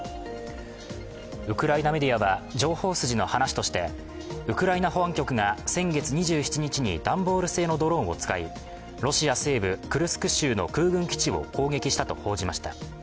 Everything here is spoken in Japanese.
ウクライナメディアは情報筋の話としてウクライナ保安局が先月２７日に段ボール製のドローンを使いロシア西部クルスク州の空軍基地を攻撃したと報じました。